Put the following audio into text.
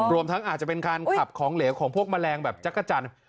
รวมทั้งอาจจะเป็นการขับของเหลวของพวกแมลงแบบจักรจันทร์